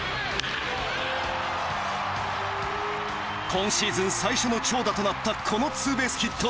今シーズン最初の長打となったこのツーベースヒット。